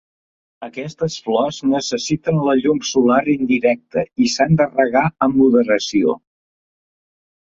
Aquestes flors necessiten la llum solar indirecta i s'han regar amb moderació.